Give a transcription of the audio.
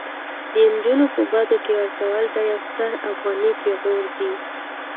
د انجونو په بدو کي ورکول دا يو ستر افغاني پيغور دي